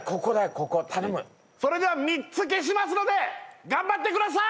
ここ頼むそれでは３つ消しますので頑張ってください